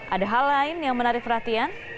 ada hal lain yang menarik perhatian